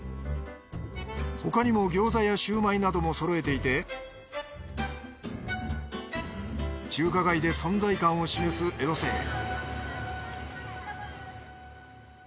他にも餃子やシュウマイなどもそろえていて中華街で存在感を示す江戸清。